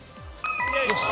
よし。